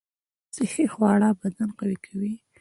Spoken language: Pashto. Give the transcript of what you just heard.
صحي خواړه بدن قوي کوي